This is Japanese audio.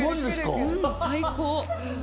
最高！